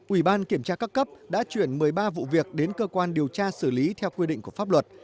ủy ban kiểm tra các cấp đã chuyển một mươi ba vụ việc đến cơ quan điều tra xử lý theo quy định của pháp luật